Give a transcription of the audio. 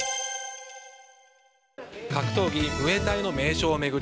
格闘技ムエタイの名称を巡り